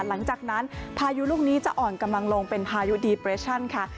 หลังจากนั้นพายุลูกนี้จะอ่อนกำลังลงเป็นพายุดีเปรชั่นค่ะ